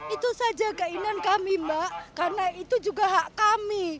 itu saja keinginan kami mbak karena itu juga hak kami